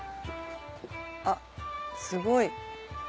あっすごい。